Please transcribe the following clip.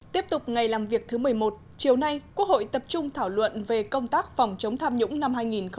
tiếp tục ngày làm việc thứ một mươi một chiều nay quốc hội tập trung thảo luận về công tác phòng chống tham nhũng năm hai nghìn một mươi chín